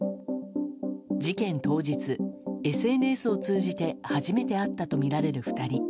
事件当日、ＳＮＳを通じて初めて会ったとみられる２人。